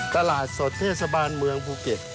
ตลาดสดเทศบาลเมืองภูเก็ต